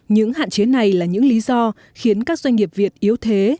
những hạn chế này là những lý do khiến các doanh nghiệp việt yếu thế